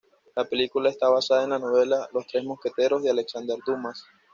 La película está basada en la novela "Los tres mosqueteros" de Alexandre Dumas.